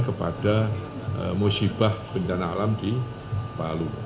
kepada musibah bencana alam di palu